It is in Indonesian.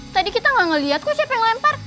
tadi kita gak ngeliat kok siapa yang lempar